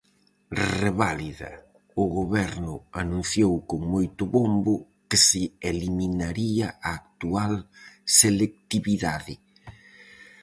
Reválida: O goberno anunciou con moito bombo que se eliminaría a actual selectividade.